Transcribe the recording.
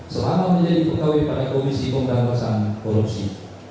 selama menjadi pegawai pada komisi pemberantasan korupsi